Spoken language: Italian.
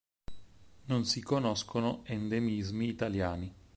Non si conoscono endemismi italiani.